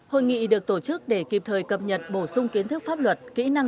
hội nghị được tổ chức để kịp thời cập nhật bổ sung kiến thức pháp luật kỹ năng